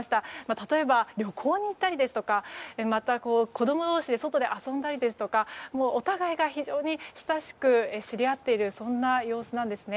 例えば、旅行に行ったりですとかまた、子供同士で外で遊んだりですとかお互いが非常に親しく知り合っているそんな様子なんです。